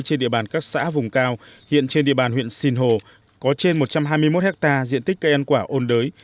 trên địa bàn các xã vùng cao hiện trên địa bàn huyện sinh hồ có trên một trăm hai mươi một hectare diện tích cây ăn quả ôn đới